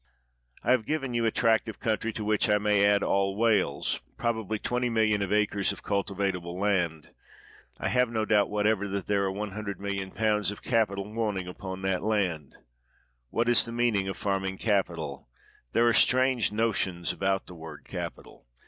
I have given you a tract of country to which I may add all Wales ; probably 20,000,000 of acres of cultivable land. I have no doubt whatever that there are 100, 000,000Z. of capital wanting upon that land. What is the meaning of farming capital ? There are strange notions about the word "capital."